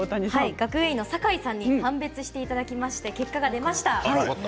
学芸員の酒井さんに判別していただきまして結果が出ました。